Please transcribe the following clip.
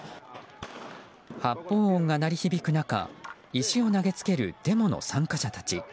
発砲音が鳴り響く中石を投げつけるデモの参加者たち。